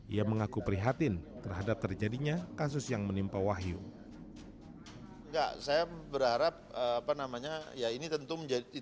ia mengaku prihatin terhadap terjadinya kasus yang menimpa wahyu